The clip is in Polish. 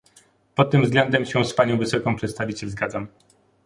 Pod tym względem się z panią wysoką przedstawiciel zgadzam